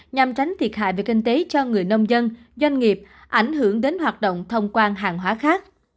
nhằm tránh thiệt hại về kinh tế cho người nông dân doanh nghiệp ảnh hưởng đến hoạt động thông quan hàng hóa khác